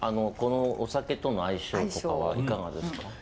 このお酒との相性とかはいかがですか？